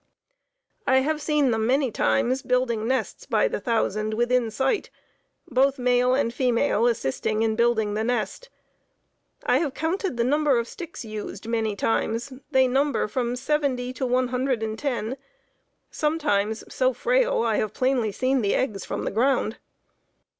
I have seen them many times building nests by the thousand within sight, both male and female assisting in building the nest. I have counted the number of sticks used many times; they number from seventy to one hundred and ten, sometimes so frail I have plainly seen the eggs from the ground.